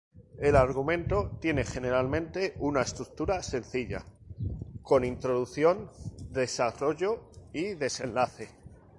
El argumento tiene generalmente una estructura sencilla, con introducción, desarrollo y desenlace.